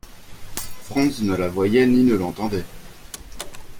Franz ne la voyait ni ne l’entendait…